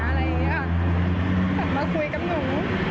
ถ้ามีปัญหาอะไรอย่างนี้มาคุยกับหนู